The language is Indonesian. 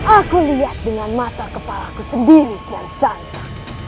aku lihat dengan mata kepalaku sendiri kian santai